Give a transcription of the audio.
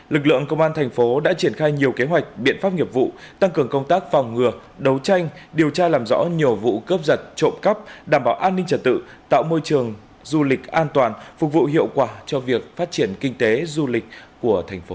lực lượng công an thành phố đã triển khai nhiều kế hoạch biện pháp nghiệp vụ tăng cường công tác phòng ngừa đấu tranh điều tra làm rõ nhiều vụ cướp giật trộm cắp đảm bảo an ninh trật tự tạo môi trường du lịch an toàn phục vụ hiệu quả cho việc phát triển kinh tế du lịch của thành phố